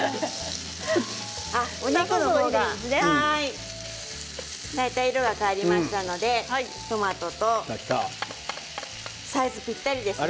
お肉、大体色が変わりましたのでトマトとサイズぴったりですね。